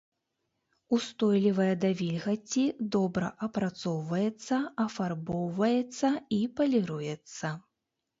Устойлівая да вільгаці, добра апрацоўваецца, афарбоўваецца і паліруецца.